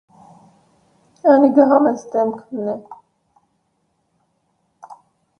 Անիկա համեստ դէմք մըն է։